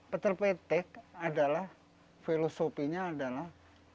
pecul pitik adalah filosofinya adalah